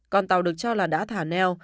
con tàu được cho là đã thả neo